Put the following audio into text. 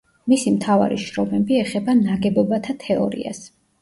მისი მთავარი შრომები ეხება ნაგებობათა თეორიას.